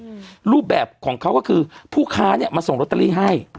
อืมรูปแบบของเขาก็คือผู้ค้าเนี้ยมาส่งลอตเตอรี่ให้